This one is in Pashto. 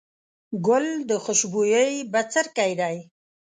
ګل د خوشبويي بڅرکی دی.